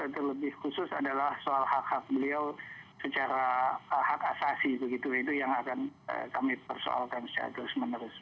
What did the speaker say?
terlebih khusus adalah soal hak hak beliau secara hak asasi begitu itu yang akan kami persoalkan secara terus menerus